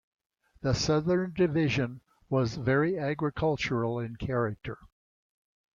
The Southern division was very agricultural in character.